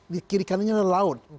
di kiri kanannya ada laut